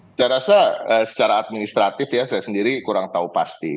saya rasa secara administratif ya saya sendiri kurang tahu pasti